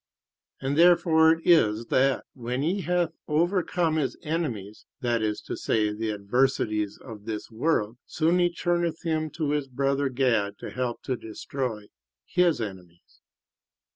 And therefore it is that, when he hath overcome his enemies (that is to say, the adversities of this world), soon he turneth him to his brother Gad to help to destroy his enemies.